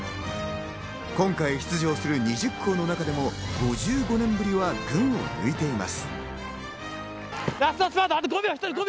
今回出場する２０校の中でも５５年ぶりは群を抜いています。